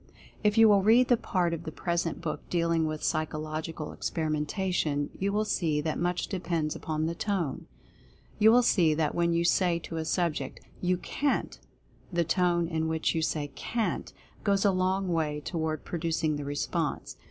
If you will read the part of the present book dealing with Psychological Experimentation, you will see that much depends upon the Tone. You will see that when you say to a subject, "You CAN'T," the tone in which you say "CAN'T" goes a long way toward producing the response.